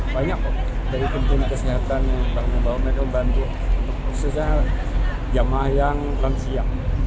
banyak dari penting kesehatan yang membawa mereka membantu khususnya jamaah yang langsia